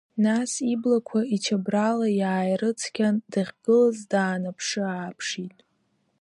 Нас иблақәа ичабрала иааирыцқьан, дахьгылаз даанаԥшы-ааԥшит.